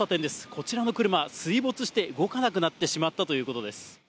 こちらの車、水没して動かなくなってしまったということです。